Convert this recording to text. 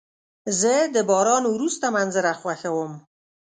زه د باران وروسته منظره خوښوم.